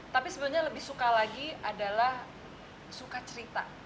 tapi sebenarnya lebih suka lagi adalah suka cerita